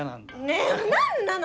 ねぇ何なの？